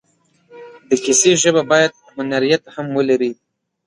د کیسې ژبه باید هنریت هم ولري.